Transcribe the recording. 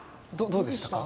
どうでしたか？